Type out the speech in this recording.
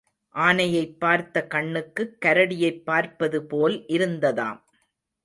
ஆனையைப் பார்த்த கண்ணுக்குக் கரடியைப் பார்ப்பதுபோல் இருந்ததாம்.